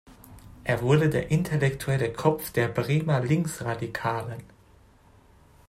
Er wurde der intellektuelle Kopf der Bremer Linksradikalen.